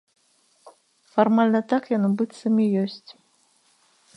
Фармальна так яно, быццам, і ёсць.